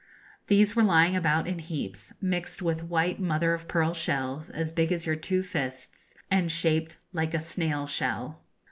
These were lying about in heaps mixed with white mother of pearl shells, as big as your two fists, and shaped like a snail shell.